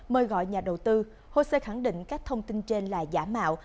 mời gọi nhà đầu tư hồ sơ khẳng định các thông tin trên là giả mạo